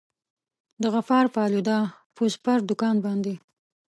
د غفار پالوده پز پر دوکان باندي.